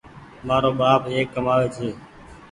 مآرو ٻآپ ايڪ ڪمآوي ڇي